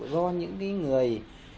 do những người